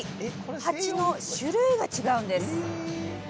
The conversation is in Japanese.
ハチの種類が違うんです。